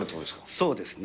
そうですね。